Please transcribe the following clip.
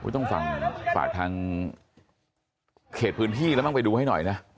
ต้องฝากทางเขตพื้นที่แล้วมั้งไปดูให้หน่อยนะ